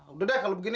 udah deh kalau begini